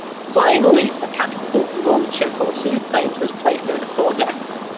Finally, a catapult launcher for seaplanes was placed over the fore deck.